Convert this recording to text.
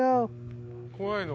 怖いの？